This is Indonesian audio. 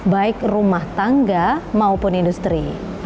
baik rumah tangga maupun industri